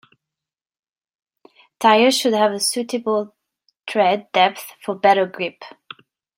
Tires should have a suitable tread depth for better grip.